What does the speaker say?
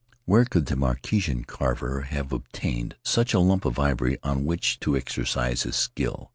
Where could the Marquesan carver have obtained such a lump of ivory on which to exercise his skill?